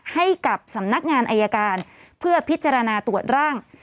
ให้กับสำนักงานอายการเพื่อพิจารณาตรวจร่าง